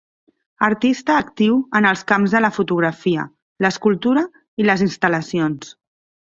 Artista actiu en els camps de la fotografia, l'escultura i les instal·lacions.